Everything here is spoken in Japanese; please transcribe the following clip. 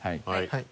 はい。